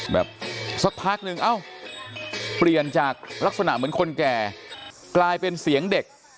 แบบสักพักนึงเอ้าเปลี่ยนจากลักษณะเหมือนคนแก่กลายเป็นเสียงเด็ก